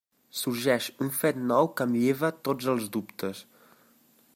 Sorgeix un fet nou que em lleva tots els dubtes.